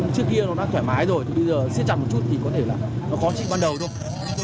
trước kia nó đã thoải mái rồi thì bây giờ siết chặt một chút thì có thể là nó khó chịu ban đầu thôi